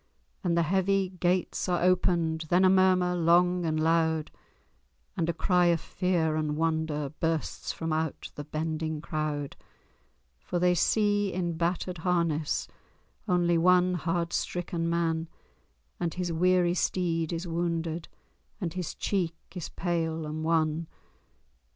And the heavy gates are opened; Then a murmur long and loud, And a cry of fear and wonder Bursts from out the bending crowd. For they see in battered harness Only one hard stricken man; And his weary steed is wounded, And his cheek is pale and wan.